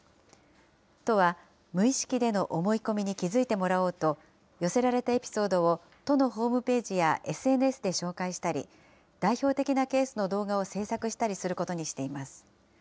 都は、無意識での思い込みに気付いてもらおうと、寄せられたエピソードを都のホームページやＳＮＳで紹介したり、代表的なケースの動画を制作したりすることにしています。